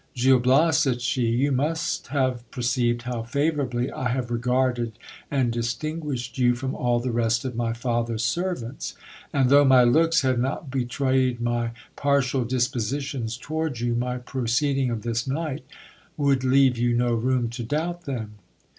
Gil Bias, said she, you must have perceived how favourably I have regarded and distinguished you from all the rest of my father's servants ; and though my looks had not betrayed my partial dispositions towards you, my . proceeding of this night would leave you no room to doubt them.